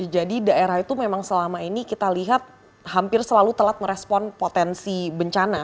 jadi daerah itu memang selama ini kita lihat hampir selalu telat merespon potensi bencana